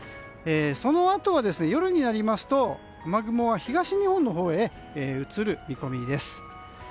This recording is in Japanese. そのあとは夜になりますと雨雲は東日本のほうへ移る見込みです。